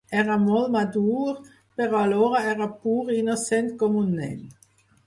Era molt madur, però alhora era pur i innocent com un nen.